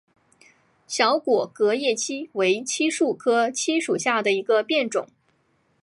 小果革叶槭为槭树科槭属下的一个变种。